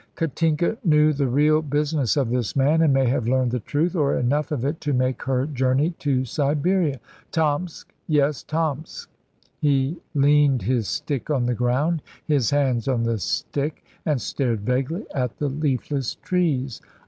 Katinka knew the real business of this man, and may have learned the truth, or enough of it, to make her journey to Siberia. Tomsk yes, Tomsk!" He leaned his stick on the ground, his hands on the stick, and stared vaguely at the leafless trees.